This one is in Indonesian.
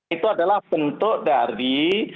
itu adalah bentuk dari